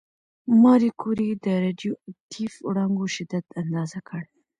ماري کوري د راډیواکټیف وړانګو شدت اندازه کړ.